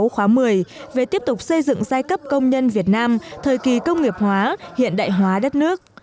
khóa một mươi về tiếp tục xây dựng giai cấp công nhân việt nam thời kỳ công nghiệp hóa hiện đại hóa đất nước